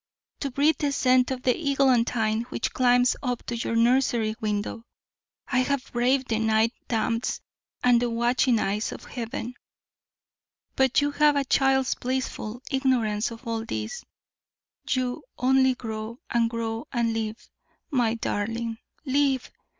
To breathe the scent of the eglantine which climbs up to your nursery window, I have braved the night damps and the watching eyes of Heaven; but you have a child's blissful ignorance of all this; you only grow and grow and live, my darling, LIVE!